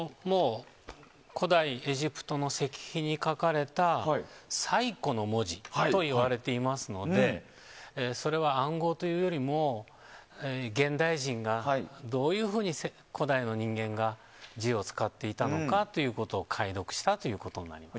古代エジプトの石碑に書かれた最古の文字といわれていますのでそれは、暗号というよりも現代人がどういうふうに古代の人間が字を使っていたのかということを解読したということになります。